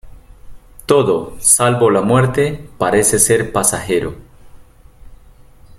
Todo, salvo la muerte, parece ser pasajero.